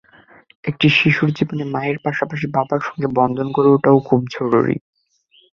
একটি শিশুর জীবনে মায়ের পাশাপাশি বাবার সঙ্গে বন্ধন গড়ে ওঠাও খুব জরুরি।